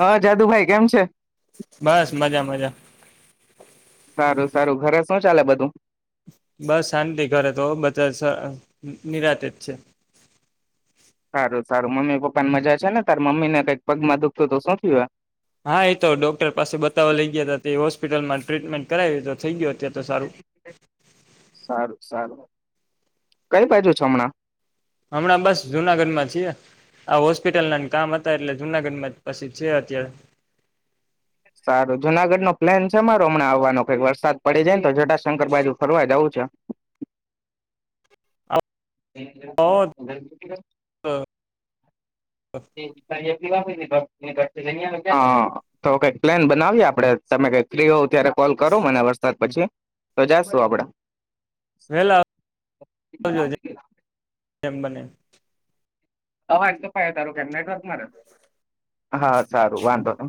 હા, જાદુભાઈ કેમ છે. બસ મજા, મજા સારુ સારુ ઘરે શું, ચાલે બધું બસ, શાંતિ ઘરે તો બધા નિરાતેજ છે. સારુ સારુ મમ્મી પપ્પાની મજા છેને, તાર મમ્મી ને કક પગમાં દુઃખતુ તો શું થય હોય. હા, એ તો ડોક્ટર પાસે બતાવવા લઈ, ગયા હતા. એ હોસ્પિટલમાં ટ્રીટમેન્ટ કરાવી તો થઇ ગયો અત્યારે તો સારું સારુ સારુ કઈ, પાછુ છમણાં હમણા, બસ જુનાગઢમાં છીએ આ, હોસ્પિટલ ના કામ હતા એટલે જુનાગઢમાં પછી છે, અત્યારે સારુ જુનાગઢ નો પ્લેન છે, અમારો હમણાંવાનો કઈક વરસાદ પડી જાયને તો શંકર બાજુ ફરવા દવું છે. [inaudible] દિવા, તો કઈક પ્લાન બનાવી આપડે તમે કઈક્રી હો ત્યારે કોલ, કરો મને વરસાદ પછી, તો જાશું આપડા વેલાજ એમ બને અવાજ, કપાય તારો કે હા, સારુ વાંધો ત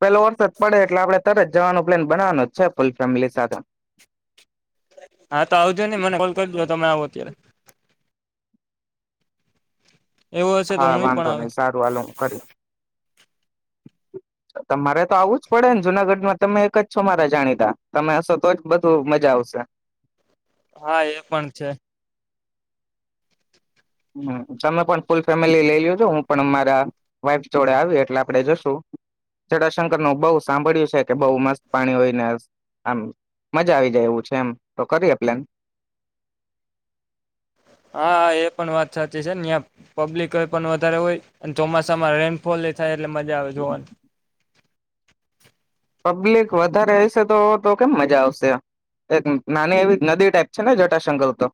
પેલો વરસા જ પડે એટલે આપણે તરત જવાનો પ્લાન બનાવાનો જ છે, ફૂલ ફેમિલી સાથે હા, તો આવજો ને મને કોલ કરજો તમે આવો અત્યારે એવું હશે તો હા, હું પણ વાંધો આવે નઈિ સારુ હલ હુ, કરુ તમારે તો આવું જ પડે ને જુનાગઢમાં તમે એક જ છો, મારા જાણીતા તમે હશો, તો જ બધું મજા આવશે હા, એ પણ છે. હ, તમે પણ ફૂલ ફેમિલી લઈ લ્યો છો. હુ પણ મારા વાઈફ જોડે આવ એટલે આપડે જશું જડાાશંકર ન બહુ સાંભળ્યું છે, કે બહુ મસ્ત પાણી હોયને આમ મજા આવી જાય એવું છે, એમ તો કરીએ પ્લેન હાા એ પણ વાત સાચી છે, ને્યા પબ્લિક એ પણ વધારે હોય ચોમાસામાં રેનફોલ થાય. એટલે મજા, આવે જોવાનુ પબ્લિક વધારે તો કેમ મજા આવશે એક નાની એવી નદી, ટાઈપ છે, ને જટાશકર તો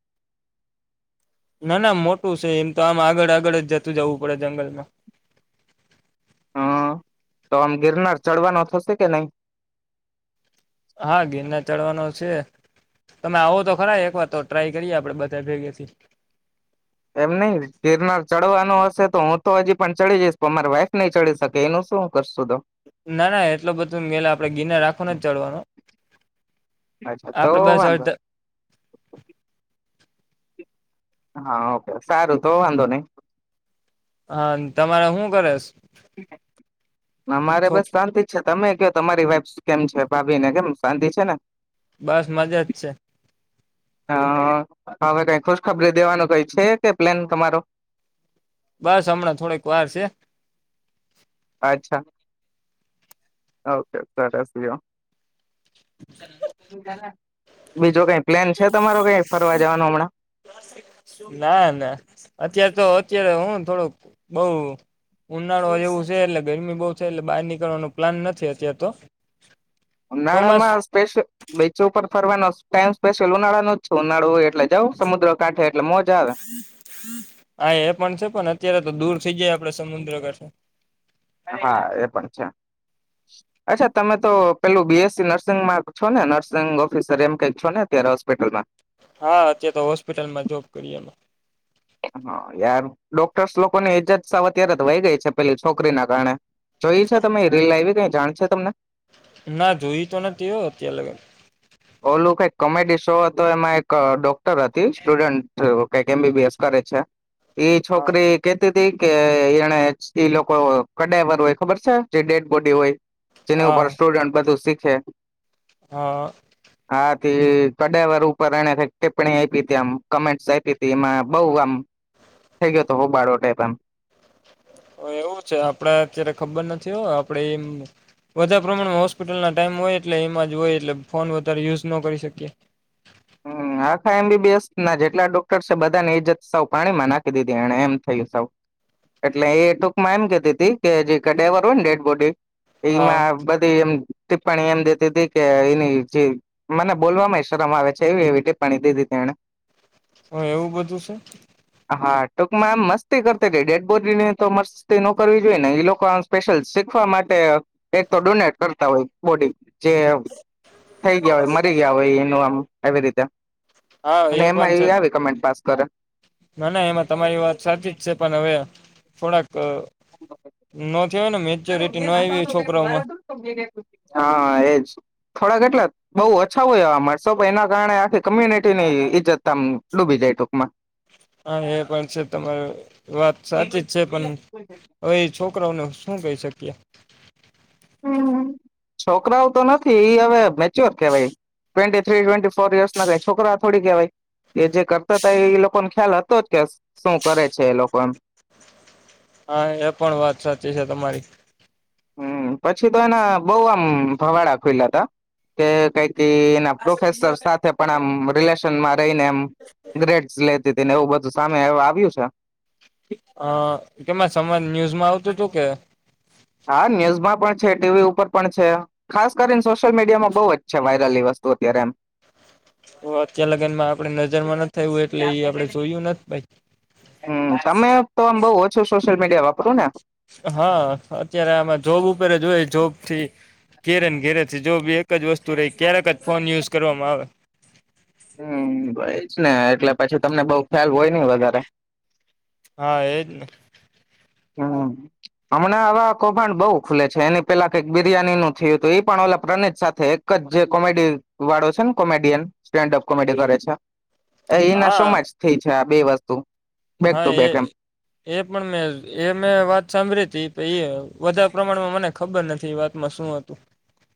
ના ના મોટુ છે, એમ તો આમ આગળ આગળ જ જતુ જવુ પડે જંગલમા હા, તો આમ ગિરનાર ચડવાનો થશે કે, નહી. હા, ગિરના ચડવાનો છે. તમે આવો, તો ખરા એક વાર તો ટ્રાય કરીએ આપડે બધા ભેગેથી. એમ નઈિ ગિરનાર ચડવાનું હશે, તો હું તો હજી પણ ચડી જઈશ પણ મારી વાઈફ નહી, ચડી શકે એનુ શું, કરસ તો ના, ના એટલ બધુંલા આપડે ગિરનાર, આખો નથી. ચડવાનો અચ્છા તો આપડે બસ વાંધો અડધા હા, ઓકે સારુ તો વાંધો, નહી હા, તમારે શું કરેશ? મારે બસ શાંતિ જ છે, તમે ક તમારી વાઈફ કેમ છે ભાભી ને કેમ શાંતિ છેને. બસ મજા જ છે. હા હવે, કઈ ખુશખબરી દેવાનું કઈ છે, કે પ્લેન તમારો બસ, હમણાં થોડીક વાર છે. અચ્છા, ઓકે સરસ લયો. બીજો કઈ પ્લેન છે, તમારો કઈ ફરવા જવાનું હમણા ના ના અત્યારે તો અત્યારે હું થોડોક બઉ ઉનાળો જેવું છે, એટલે ગરમી બઉ. એટલે, બહાર નીકળવાનો પ્લાન નથી. અત્યારેાર તો ચોમાસું ઉનાળામાં સ્પેશલ બીચો ઉપર ફરવાનો ટાઈમ સ્પેશયલ ઉનાળા ન જ છે, ઉનાળો એટલે, જવ સમુદ્ર કાંઠે એટલે મોજા આવે થી, જાય આપડે સમુદ્ર કઠ હા, એ પણ છે. અચ્છા, તમે તો પેલું બીએસસી નર્સિંગમાં છો ને નર્સિંગ ઓફિસર એમ કઈક છો, ને હોસ્પિટલમા હા, અત તો હોસ્પિટલમાં જોબ કરી એ હા, યાર ડોક્ટર્સ લોકોની ઈજત સાવ અત્યારે વય ગઈ છે. પેલી છોકરી ના કારણે જોઈ છે, તમે રીલ આવી કઈ જાણ છે, તમને ના જોય, તો નથી. તે અત્યાર લાગે તો તો એમાં એક ડોક્ટર હતી, સ્ટુડન્ટ કંઈક એમબીબીએસ કરે છે. એ હા છોકરી કે કે એને એ લોકો કડર હોય, ખબર છે, જે ડેડ બોડી હોય. જેની, હા ઉપર સ્ટુડન્ટ બધું શીખે હા વર, ઉપર એક ટિપ્પણી આપી ત આમ કમેન્ટસ આપી ત એમા બઉ આમ થઇ ગયો હતો, બઉ બાડો ટાઈપ એમ એવું છે, આપડ અત્યારે ખબર નથી હોય આપડે એ વધા પ્રમાણમાં હોસ્પિટલ, ના ટાઈમ ય એટલે એમાં જ હોય, એટલે ફોન વધારે યુઝ ન કરી શકીએ. હા આખા એમબીબીએસ ના જેટલા ડોક્ટર છે, બધા ની ઈજત સૌ પાણીમાં નાખી દીધી એમ થયું સ એટલે એ ટૂકમાં એમ કેતી હતી, કે જે કઢવર હોય ને ડેડ બોડી હા એમાં બધી એમ ટિપ્પણી એમ દેતી હતી, કે એની જે મને બોલ ય શરમ આવે એ એવી પાણી દે દીધ એને હ એવું, બધું છે. હા ટૂંકમાં આમ મસ્તી કરતી હતી ડેડ બોડી ની તો મસ્તી નો કરવી જોઈએ, ને એઈ લોકો આ સ્પેશિલ શીખવા માટે એક તો ડૂને હોય, બોડી જે થઈ ગયા હોય મરી ગયા હોય એનું આમ આવી રીતે. હા અને એમાં, પણ છે એ આવી કમેન્ટ પાસ કરે ના ના એમા તમારી વાત સાચી જ છે, પણ હવે થોડાક ન થયો ને મેચ્યોરિટી આવી હોય છોકરાઓમાં હા એજ થોડા કેટલા બહઉ ઓછા હોય, એવા મળશો પણ એના કારણે આખી કમ્યુનિટી ની ઈજ્જતતામ ડૂબી જાય. તોકમા હા, એ પણ છે. તમારે વાત સાચી જ છે, પણ હવે એ છોકરાઓને શું કહી શકીએ છોકરાઓ, તો નથી. હવે મેચ્યોર કેવાય twenty three twenty four, years ના છોરા થોડી કહેવાય એ જે કરતા હતા, એ લોકોને ખ્યાલ હતો જ કે શું કરે છે, એ લોકોને હા, એ પણ વાત સાચી છે, તમારી હમ, પછી તો એના બઉ આમ ફવાડા ખુલા હતા, કે કઈક એના પ્રોફેસર સાથે, પણ આમ રિલેશનમાં રહીને એમ સટ લેતી હતી, ને એવું બધું સામે આવ્યું છે. અ કેમાં સમજ ન્યુઝમાં આવતું હતુ, કે હા, ન્યુઝમાં પણ છે, ટીવી ઉપર પણ છે, ખાસ કરીને સોશિયલ મીડિયામાં બહુ જ છે, વાયરલસ્ત ત્યારે, એમ અત્યાર, લગનમા આપડ નજરમા નથી. થયું એટલે એ આપડે જોયું નથી ભાઈ હમ સમય, તો બહ સોશિલ, મીડિયા વાપર ને હા, અત્યારે આમાં જોબ ઉપર જોય જોબ થી ઘેરેન ઘેરે જો બી એક જ વસ્તુ રહી, ક્યારેક ફોન યુઝ કરવામા આવે હમ, ભય જ ને એટલે પછી, તમને બઉ ખ્યાલ હોય નહ વધારે હા, એજને હા હમણા, આવા કૌભાંડ બઉુ ખુલે છે, એની પેલા કક બિરિયાની નું થયું હતું એ પણ ઓ પ્રણીત એક જ જે કોમેડી વાળો છે, ને કોમેડિયન સ્ટેન્ડઅપ કોમેડી કરે છે. એના હા શોમાં જ થઈ છે, આ બે વસ્તુ બેક હા, ટુ એ બેક એમ એ પણ મે મેં વાત સાંભળી હતી, એ વધારે પ્રમાણમાં મને ખબર નથી વાતમાં શું હતુ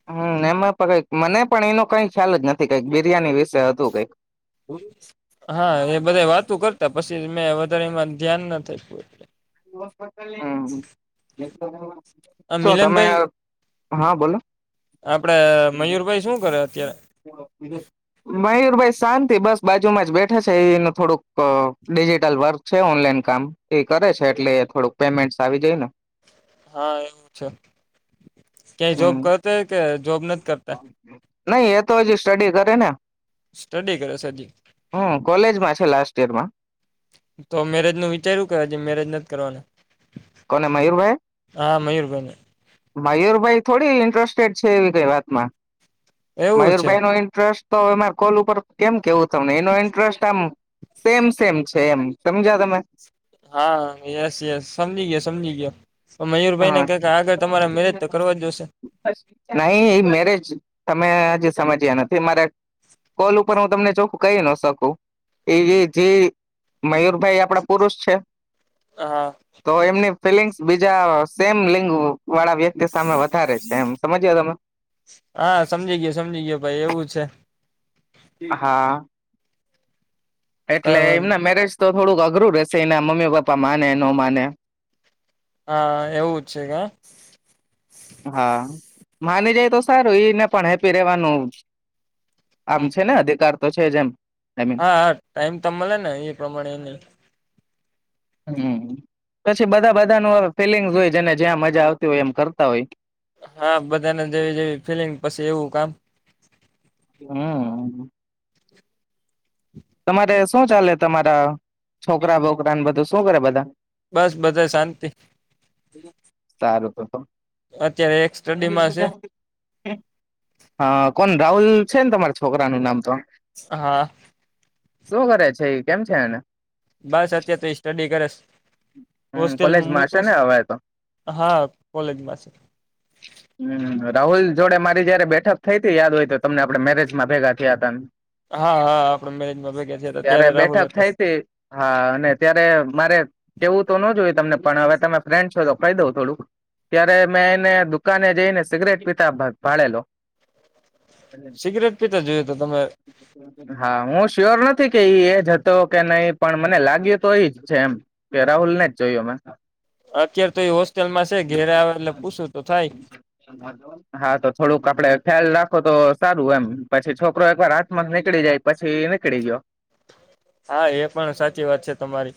હમ, એમાં પણ કઈક મને પણ એનો કઈ ખ્યાલ જ નથી કઈક બિરિયાની વિ હા, એ બધા વાતુ કર તો પછી મેં વધારે, એમાં ધ્યાનના થઈત આ શો તમે મિલનભાઈ હા, બોલો આપડે મયુરભાઈ શું કરે, અત્યારે મયુરભાઈ શાંતિ બસ બાજુમાજ બેઠે છે, એને થોડુંક ડિજિટલ વર્ક છે, ઓનલાઈન કામ એ કરે છે, એટલે થોડુંક પેમેન્ટ આવી જાય ને હા, એવું છે, ક્યાય જોબ હમ કરતા કે જોબ નથી. કરતા નઈ એ તો હજી, સ્ટડી કરે ને સ્ટડી, કરે સડી હમ કોલેજમાં લાસ્ટ યર મા તો મેરેજ ન વિચાર એું કર છે, મેરેજ નથી. કરવાના કોને મયુરભાઈ હા, મયુૂરભેને મયુરભાઈ થોડી ઇન્ટરેસ્ટેડ છે, એવી કઈ વાતમા એવું છે મયુરભાઈ, નો ઇન્ટરેસ્ટ તો એરે કોલ ઉપર કેમ કેવું તમને એનો ઇન્ટરેસ્ટ સેમ સેમ છે, એમ સમજા તમે હા, યસ યસ સમજી ગયા સમજી, ગયા હા, તો કરવા જ જોશે નહી એ મેરેજ તમે હજી સમજ્યા નથી, મારે કોલ ઉપર હું તમને જોક કહી ન શકુ એ જે મયુરભાઈ આપડા પુરુષ છે. હા તો એમની ફિલિંગસ બીજા સેમ લિંગ વાળા વ્યક્તિ તે સામે વધારે છે, એમ સમજી્યા તમે હા, સમજી ગયયો સમજી ગયો, ભાઈ એવું છે. હા એટલે, કઈ વાંધો એમના મેરેજ તો થોડુંક અઘરું રહેશે એના મમ્મી પપ્પા માને ન માને હા, એવું જ છે, કે હા, માની જાય, તો સારું ઈને પણ હેપી રેવાનું આમ છે, ને અધિકાર તો છે, જે એમ આઈ મીન હા, હા ટાઈમ, તો મળે ને એ પ્રમાણે ન હમ, પછી બધા બધા ન ફિલિંગ્સ હોયને, જ્યાં મજા આવતી હોય એમ કરતા હોય. હા બધાને જેવી જેવી ફિલિંગ પછી, એવું કામ હા, હ, હ તમારે શું ચાલે તમારા છોકરા, બોકરા ને બધું શું કરે બધા બસ, બધા શાંતિ સારું, તો અત્યારે એક સ્ટડીમાં છે હા પણ રાહુલ છેને, તમારા છોકરા નું નામ તો હા શું કરે છે, એ કેમ છે, એને બસ અત્ય તુ, સ્ટડી કરશ હમ હોસ્ટેલમાં કોલેજમાં મકો હશે ને હવે તો હા, કોલેજમાં છે. હમ રાહુલ જોડે મારી જયારે બેઠક થઈ હતી, યાદ હોય તો તમને આપે મેરેજમાં ભેગા થયા હતા હા, હા આપડે મેરેજમાં ભેગા થયા હતા ત્યારે રાહુલ બેઠક હતો થઈ હતી. હા અને ત્યારે મારે કેવું તો ન જોયું તમને પણ હવે, તમે ફ્રેન્ડ છો? તો કહી દઉં થોડુંક ત્યારે મેં એને દુકાને જઈને, સિગરેટ પીતા ભાળેલો સિગરેટ પીતા જોયએ, તો તમે હુ, શ્યોર નથી. કે એ જતો કે નહી પણ મને લાગ્યું તો એ જ છે એમ કે રાહુલ ને જ જોય અત્યારે તો એ હોસ્ટેલમાં છે ઘેરે આવે એટલે પૂછું તો થાય હા, તો થોડુંક આપડે ખ્યાલ રાખો, તો સારું એમ પછી છોકરો એક વાર હાથમાં નીકળી જાય પછી નીકળી ગયો. હા, એ પણ સાચી વાત છે. તમારી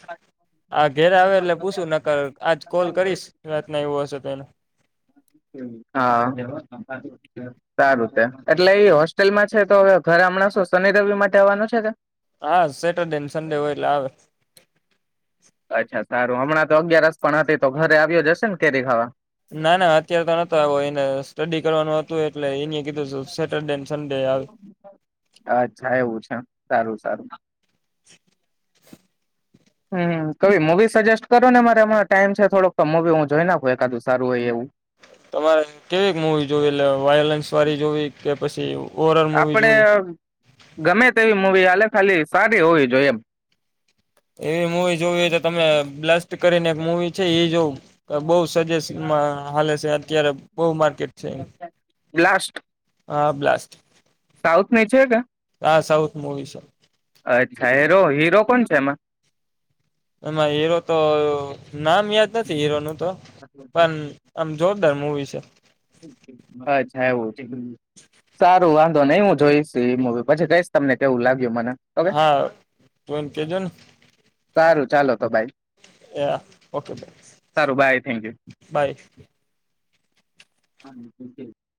આ ઘેરે આવે એટલે પૂછુ, નક આજ કોલ કરીશ વાત ના એવું હશે, તોને હા, સારું એટલે એ હોસ્ટેલમાં છે. તો હવે ઘ ગામણા શોસની, રવિ માટે આવવાનું છે ને. હા, સેટરડે સન્ડે હોય. એટલે આવે અચ્છા સારુ હમણા, તો અગિયારસ પણ હતી તો ઘરે આવ્યો જ હશે ને કેરી ખાવા ના, ના અત્ય્યારે. તો નતો આવ્યો એને સ્ટડી કરવાનું હતું એટલે એને કીધું સેટરડે સન્ડે આવે અચ્છા એવું છે, સારુ સારુ [unintelligible] હમ, ક મુવી સજેસ્ટ કરો ને મારે હમ ટાઈમ છે. થોડોક મવી હું જોઈ નાખું એકાદું સારું હોય, એવુ તમારે કેવી મૂવી જોવી એટલે વાયોલન્સ વાળી જોવી, કે પછી ઓવર ઓલ મુવી આપડે જોવી ગમે, તેવી મુૂવી હાલે ખાલી સારી હોવી જોઈએ એમ એવી મુૂવી જોવી હોય, તો તમે બ્લાસ્ટ કરીને એક મુવી છે, એ જોવું બઉ સજેશમાં હાલે છે, અત્યારે બહ માર્કેટ છે. હા, બ્લાસ્ટ સાઉથ ની છે, કે આ સાઉથ મુવી છે અચ્છા હીરો હીરો કોણ છે, એમા એમાં હીરો, તો નામ યાદ નથી હીરો નું તો પણ આમ જોરદાર મૂવી છે. બછવુ સારુ વાંધો નઈ, હુ જોઈશ એ મુવી પછી કઈશ તમને કેવું લાગ્યું મને ઓકે હા, તમ ક દન સારુ, ચાલો તો ભાઈ હ, ઓકે સારું બાય બાય હા